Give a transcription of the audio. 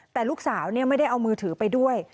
แต่ลูกสาวไม่ได้เอามือถือไปด้วย